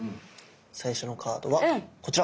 最初のカードはこちら。